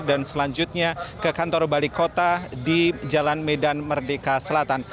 dan selanjutnya ke kantor balai kota di jalan medan merdeka selatan